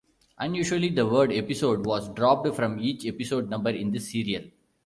Unusually, the word "episode" was dropped from each episode number in this serial.